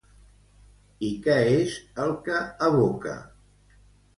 I què és el que evoca?